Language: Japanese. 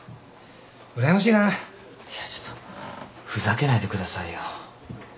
いやちょっとふざけないでくださいよ。